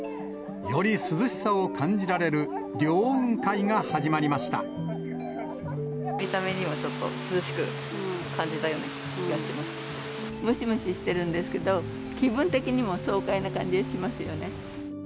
より涼しさを感じられる、見た目にもちょっと涼しく感ムシムシしてるんですけど、気分的にも爽快な感じがしますよね。